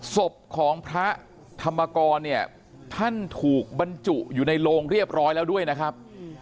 ศพของพระธรรมกรเนี่ยท่านถูกบรรจุอยู่ในโลงเรียบร้อยแล้วด้วยนะครับ